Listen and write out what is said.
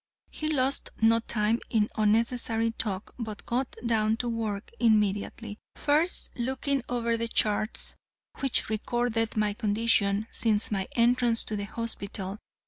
He lost no time in unnecessary talk but got down to work immediately, first looking over the charts which recorded my condition since my entrance to the hospital.